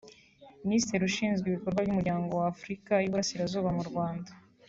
Minisitiri ushinzwe ibikorwa by’Umuryango wa Afurika y’u Burasirazuba mu Rwanda